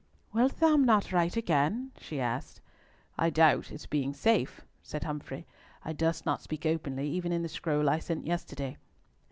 "Thou wilt not write again?" she asked. "I doubt its being safe," said Humfrey. "I durst not speak openly even in the scroll I sent yesterday."